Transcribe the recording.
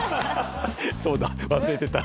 そうだ忘れてた。